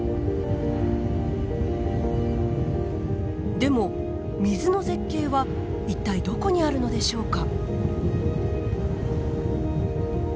でも水の絶景は一体どこにあるのでしょうか。